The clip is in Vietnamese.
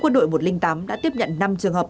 quân đội một trăm linh tám đã tiếp nhận năm trường hợp